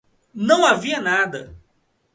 Não havia nada.